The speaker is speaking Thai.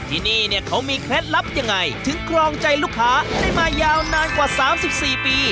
ที่นี่เนี่ยเขามีเคล็ดลับยังไงถึงครองใจลูกค้าได้มายาวนานกว่า๓๔ปี